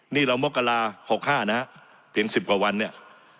นี่เรามกราหกห้านะเตี๋ยวสิบกว่าวันเนี้ย